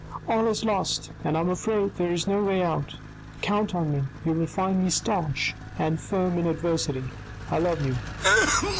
All is lost, and I am afraid there is no way out ; count on me ; you will find me staunch and firm in adversity. I love you."